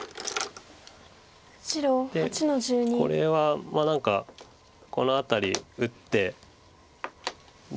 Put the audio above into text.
でこれは何かこの辺り打って。